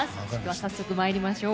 早速、参りましょう。